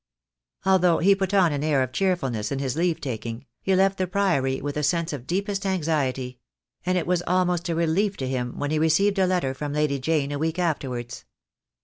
'*' Although he put on an air of cheerfulness in his leave taking, he left the Priory with a sense of deepest anxiety; and it was almost a relief to him when he re ceived a letter from Lady Jane a week afterwards.